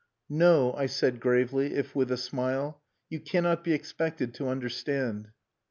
"No," I said gravely, if with a smile, "you cannot be expected to understand."